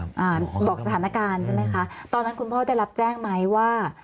อ่าบอกสถานการณ์ใช่ไหมคะตอนนั้นคุณพ่อได้รับแจ้งไหมว่า